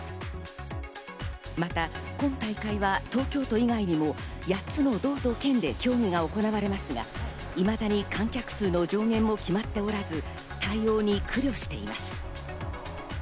また今大会は東京都以外にも８つの道と県で競技が行われますが、いまだに観客数の上限も決まっておらず、対応に苦慮しています。